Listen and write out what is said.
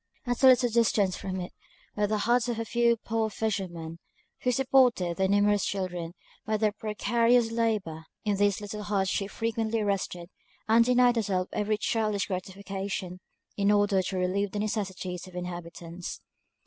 At a little distance from it were the huts of a few poor fishermen, who supported their numerous children by their precarious labour. In these little huts she frequently rested, and denied herself every childish gratification, in order to relieve the necessities of the inhabitants.